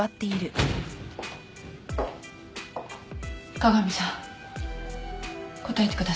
加賀美さん答えてください。